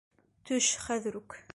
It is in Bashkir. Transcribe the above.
Төш хәҙер үк!